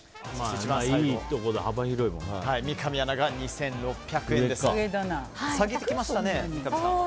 一番最後三上アナが２６００円ですが下げてきましたね、三上さん。